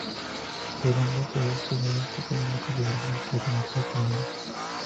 Su rumbo es oeste-noroeste, con una configuración considerablemente rectilínea.